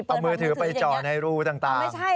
เอามือถือไปจ่อในรูต่าง